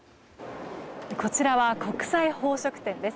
こちらは国際宝飾展です。